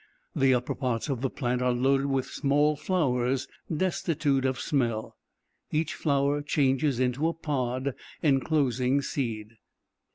The upper parts of the plant are loaded with small flowers, destitute of smell. Each flower changes into a pod, enclosing seed.